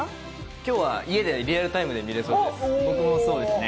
きょうは家でリアルタイムで僕もそうですね。